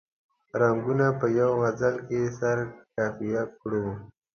رنګونه په یوه غزل کې سره قافیه کړو.